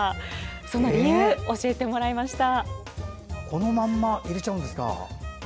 その理由、教えてもらいました。